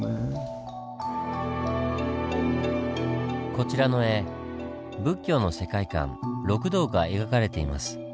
こちらの絵仏教の世界観「六道」が描かれています。